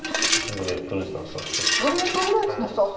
グレープフルーツのソース？